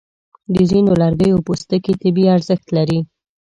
د ځینو لرګیو پوستکي طبي ارزښت لري.